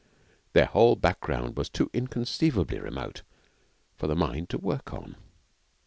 Their whole background was too inconceivably remote for the mind to work on.